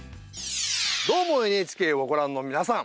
「どーも、ＮＨＫ」をご覧の皆さん